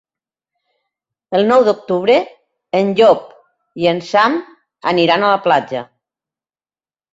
El nou d'octubre en Llop i en Sam aniran a la platja.